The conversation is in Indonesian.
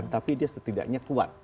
tapi dia setidaknya kuat